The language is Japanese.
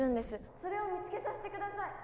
・それを見つけさせて下さい！